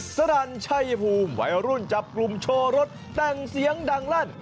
สรรชัยภูมิวัยรุ่นจับกลุ่มโชว์รถแต่งเสียงดังลั่น